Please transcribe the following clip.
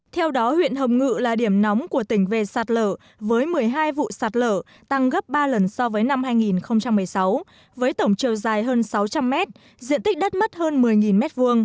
theo đó huyện hồng ngự là điểm nóng của tỉnh về sạt lở với một mươi hai vụ sạt lở tăng gấp ba lần so với năm hai nghìn một mươi sáu với tổng chiều dài hơn sáu trăm linh mét diện tích đất mất hơn một mươi m hai